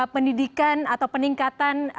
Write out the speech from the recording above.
pendidikan atau peningkatan